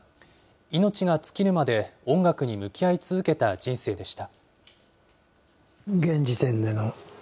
命が尽きるまで音楽に向き合い続けた人生でした。